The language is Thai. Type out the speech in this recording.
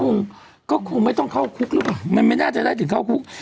แต่ก็คงไม่ต้องเข้าคุกไงมันน่าจะได้ถึงเข้าคุก